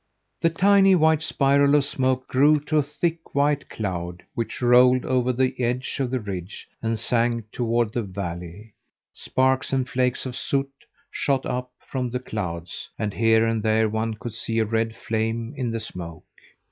The tiny white spiral of smoke grew to a thick white cloud which rolled over the edge of the ridge and sank toward the valley. Sparks and flakes of soot shot up from the clouds, and here and there one could see a red flame in the smoke.